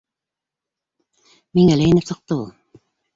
Миңә лә инеп сыҡты ул.